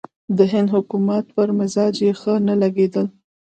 د هند حکومت پر مزاج یې ښه نه لګېدل.